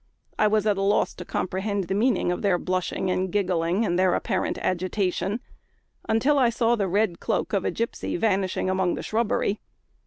I was at a loss to comprehend the meaning of their blushing and giggling, and their apparent agitation, until I saw the red cloak of a gipsy vanishing among the shrubbery.